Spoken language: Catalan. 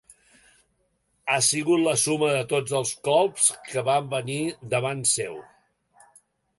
Ha sigut la suma de tots el colps que van venir davant seu.